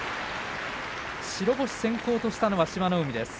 白星先行としたのは志摩ノ海です。